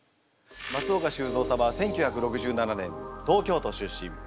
松岡修造様は１９６７年東京都出身。